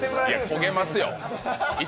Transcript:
焦げますよ。